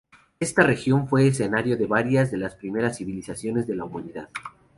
Esta región fue escenario de varias de las primeras civilizaciones de la humanidad.